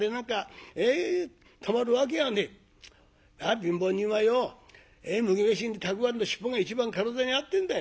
貧乏人はよう麦飯にたくあんの尻尾が一番体に合ってんだい。